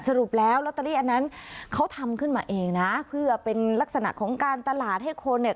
สรุปแล้วลอตเตอรี่อันนั้นเขาทำขึ้นมาเองนะเพื่อเป็นลักษณะของการตลาดให้คนเนี่ย